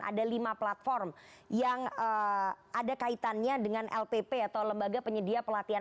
ada lima platform yang ada kaitannya dengan lpp atau lembaga penyedia pelatihan